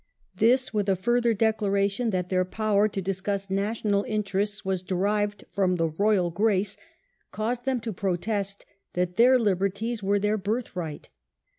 This, with a further declaration that their power to discuss national interests was de rived from the royal grace, caused them to protest that their liberties were their birthright.